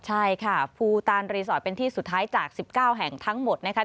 ใช่ค่ะภูตานรีสอร์ทเป็นที่สุดท้ายจาก๑๙แห่งทั้งหมดนะคะ